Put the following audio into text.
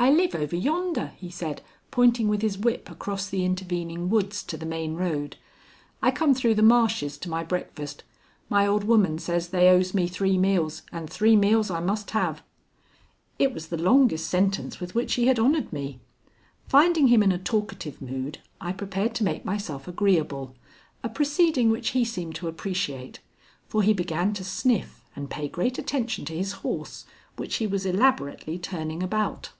"I live over yonder," he said, pointing with his whip across the intervening woods to the main road. "I come through the marshes to my breakfast; my old woman says they owes me three meals, and three meals I must have." It was the longest sentence with which he had honored me. Finding him in a talkative mood, I prepared to make myself agreeable, a proceeding which he seemed to appreciate, for he began to sniff and pay great attention to his horse, which he was elaborately turning about.